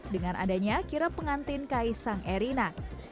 dengan adanya kira pengantin kaisang erina